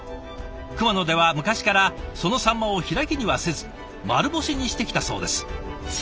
熊野では昔からそのサンマを開きにはせず丸干しにしてきたそうです。